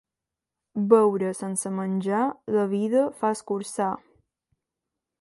Beure sense menjar la vida fa escurçar.